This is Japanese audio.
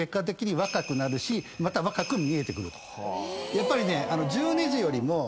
やっぱりね。